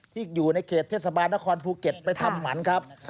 ที่อยู่ในเขตเทศบาลนครภูเก็ตไปทำหมันครับ